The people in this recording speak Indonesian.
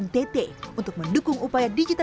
bagaimana menurut anda